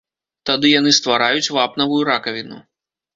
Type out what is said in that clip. Тады яны ствараюць вапнавую ракавіну.